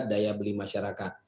daya beli masyarakat